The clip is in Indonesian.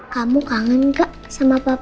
kamu kangen gak sama papa